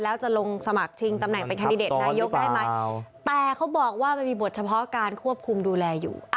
แล้วจะลงสมัครชิงตำแหน่งเป็นแคนดิเดตนายกได้ไหมแต่เขาบอกว่ามันมีบทเฉพาะการควบคุมดูแลอยู่